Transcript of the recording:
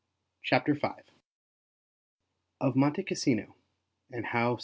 CHAPTER V OF MONTE CASSINO, AND HOW ST.